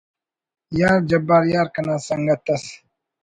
یا جبار یار کنا سنگت ئس